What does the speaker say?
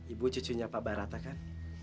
ibu cucunya pak barata kan